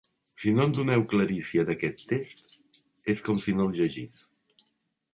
Si no em doneu clarícia d'aquest text, és com si no el llegís.